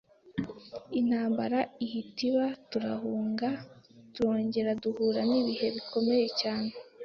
intambara ihita iba turahunga, turongera duhura n’ibihe bikomeye cyane